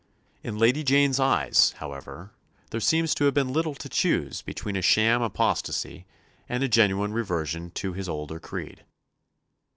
In Lady Jane's eyes, however, there seems to have been little to choose between a sham apostacy and a genuine reversion to his older creed.